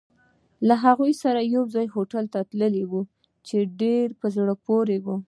له هغې سره یوځای هوټل ته تللی وای، چې ډېر په زړه پورې وو.